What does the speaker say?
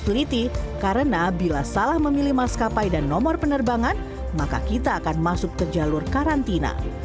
teliti karena bila salah memilih maskapai dan nomor penerbangan maka kita akan masuk ke jalur karantina